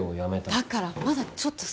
だからまだちょっとそれは。